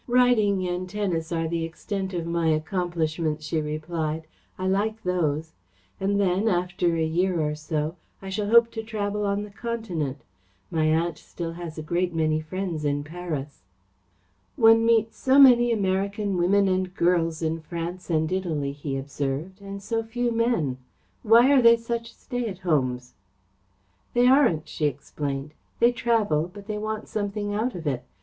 "Riding and tennis are the extent of my accomplishments," she replied. "I like those. And then, after a year or so, I shall hope to travel on the Continent. My aunt still has a great many friends in Paris." "One meets so many American women and girls in France and Italy," he observed, "and so few men. Why are they such stay at homes?" "They aren't," she explained. "They travel, but they want something out of it.